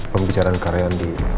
pembicaraan karian di playground cafe